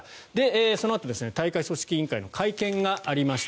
そのあと、大会組織委員会の会見がありました。